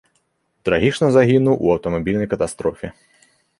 Трагічна загінуў у аўтамабільнай катастрофе.